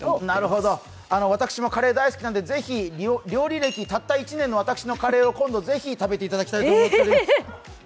なるほど、私もカレー大好きなので、料理歴たった１年の私のカレーを今度ぜひ食べていただきたいと思います。